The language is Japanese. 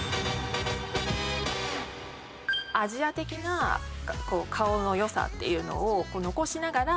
アジア的な顔の良さっていうのを残しながら。